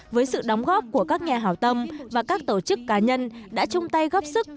với sự đóng góp của các nhà hảo tâm và các tổ chức cá nhân đã chung tay góp sức